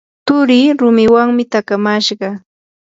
turii rumiwanmi takamashqa.